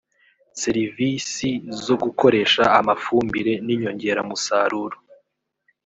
serivisi zo gukoresha amafumbire n inyongeramusaruro